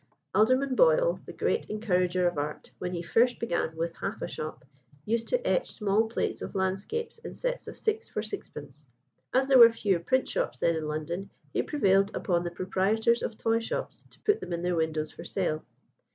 Alderman Boydell, the great encourager of art, when he first began with half a shop, used to etch small plates of landscapes in sets of six for sixpence. As there were few print shops then in London, he prevailed upon the proprietors of toy shops to put them in their windows for sale.